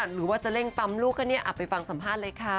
หรือว่าจะเร่งปั๊มลูกก็เนี่ยไปฟังสัมภาษณ์เลยค่ะ